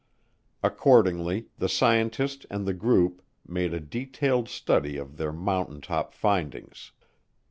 Accordingly, the scientist and the group made a detailed study of their mountaintop findings.